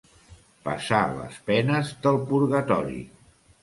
Passar les penes del purgatori.